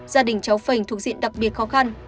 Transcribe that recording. gia đình cháu phành thuộc diện đặc biệt khó khăn